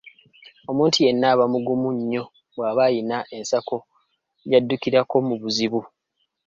Omuntu yenna aba mugumu nnyo bw'aba ayina ensako gy'addukirako mu buzibu.